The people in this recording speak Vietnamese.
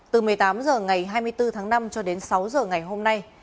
từ một mươi tám h ngày hai mươi bốn tháng năm cho đến sáu h ngày hôm nay